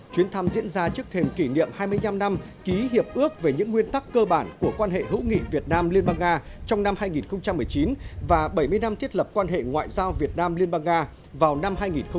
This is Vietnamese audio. chuyến thăm diễn ra trước thềm kỷ niệm hai mươi năm năm ký hiệp ước về những nguyên tắc cơ bản của quan hệ hữu nghị việt nam liên bang nga trong năm hai nghìn một mươi chín và bảy mươi năm thiết lập quan hệ ngoại giao việt nam liên bang nga vào năm hai nghìn hai mươi